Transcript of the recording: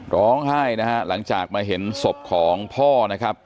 ร้องไห้นะฮะหลังจากมาเห็นศพของพ่อนะครับ